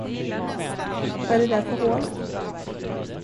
Vad är det där för hål?